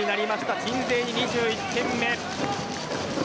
鎮西、２１点目。